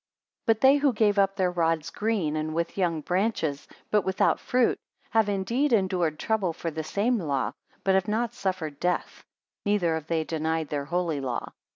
29 But they who gave up their rods green, and with young branches, but without fruit, have indeed endured trouble for the same law, but have not suffered death; neither have they denied their holy law.